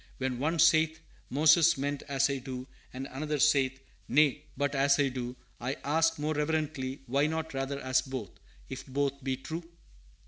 "When one saith, Moses meant as I do,' and another saith, 'Nay, but as I do,' I ask, more reverently, 'Why not rather as both, if both be true?"